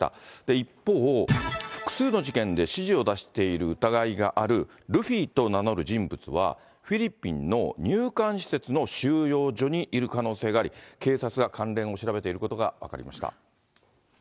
一方、複数の事件で指示を出している疑いがある、ルフィと名乗る人物は、フィリピンの入管施設の収容所にいる可能性があり、警察が関連を調べていることが分かりました。